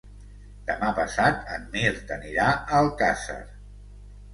Demà passat en Mirt anirà a Alcàsser.